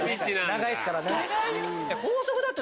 長いっすからね。